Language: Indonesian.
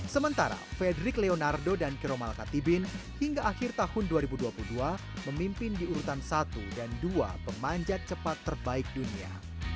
sementara fedrik leonardo dan kiromal katibin hingga akhir tahun dua ribu dua puluh dua memimpin di urutan satu dan dua pemanjat cepat terbaik dunia